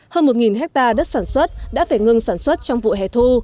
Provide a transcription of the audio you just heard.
hơn một hectare đất sản xuất đã phải ngưng sản xuất trong vụ hè thu